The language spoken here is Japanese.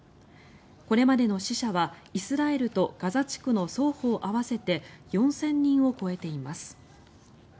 これまでの死者はイスラエルとガザ地区の双方合わせて４０００人を超えています。